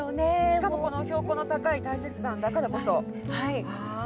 しかも、標高の高い大雪山だからこそ。